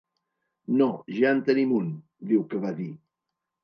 “No, ja en tenim un”, diu que va dir.